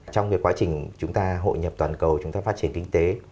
trong cái quá trình chúng ta hội nhập toàn cầu chúng ta phát triển kinh tế